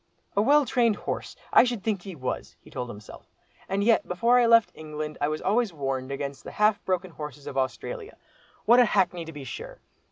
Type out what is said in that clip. "A well trained horse! I should think he was," he told himself; "and yet, before I left England, I was always being warned against the half broken horses of Australia. What a hackney to be sure!